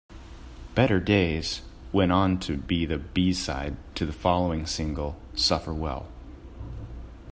"Better Days" went on to be the B-side to the following single, "Suffer Well".